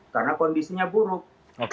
karena kondisinya buruk